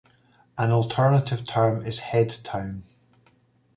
An alternative term is headtown.